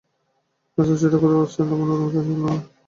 রাস্তা ছেড়ে কোথাও আশ্রয় নেবার অনুমতি ছিল না।